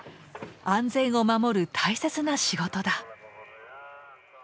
安全を守る大切な仕事だ。